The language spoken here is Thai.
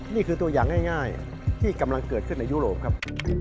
นี่คือตัวอย่างง่ายที่กำลังเกิดขึ้นในยุโรปครับ